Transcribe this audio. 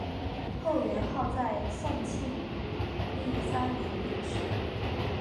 后元昊在宋庆历三年病逝。